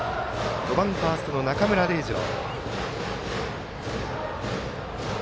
５番ファーストの中村怜士朗。